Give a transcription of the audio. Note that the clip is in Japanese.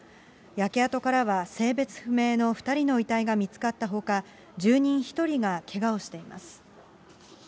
焼け跡からは性別不明の２人の遺体が見つかったほか、住人１人がけがをしています。